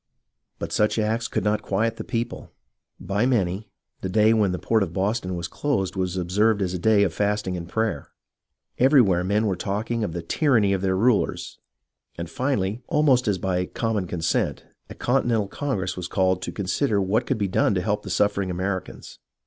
But such acts could not quiet the people. By many, the day when the port of Boston was closed was observed as a day of fasting and prayer. Everywhere men were talking of the tyranny of their rulers, and finally, almost as by common consent, a Continental Congress was called to consider what could be done to help the suffering Americans.